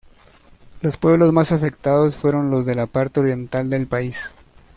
Los pueblos más afectados fueron los de la parte oriental del país.